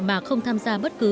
mà không tham gia bất cứ